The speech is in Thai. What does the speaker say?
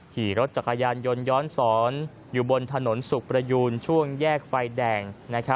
ขี่รถจักรยานยนต์ย้อนสอนอยู่บนถนนสุขประยูนช่วงแยกไฟแดง